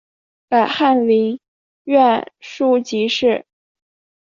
改翰林院庶吉士。